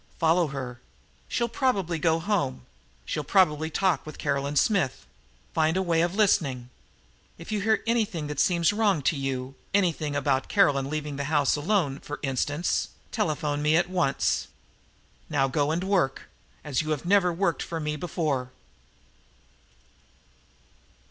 Follow her. She'll probably go home. She'll probably talk with Caroline Smith. Find a way of listening. If you hear anything that seems wrong to you anything about Caroline leaving the house alone, for instance, telephone to me at once. Now go and work, as you never worked for me before."